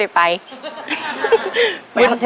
เชิญประเรียนมาต่อชีวิตเป็นกวนต่อไปครับ